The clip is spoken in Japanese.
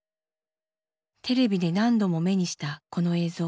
テレビで何度も目にしたこの映像。